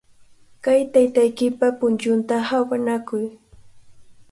Kay taytaykipa punchunta hawnakuy.